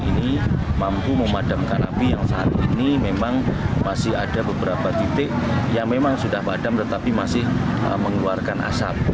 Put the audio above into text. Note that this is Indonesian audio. ini mampu memadamkan api yang saat ini memang masih ada beberapa titik yang memang sudah padam tetapi masih mengeluarkan asap